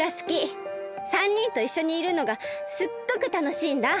３にんといっしょにいるのがすっごくたのしいんだ！